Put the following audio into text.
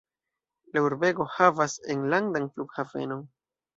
La urbego havas enlandan flughavenon.